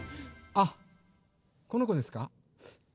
あっこのこですか？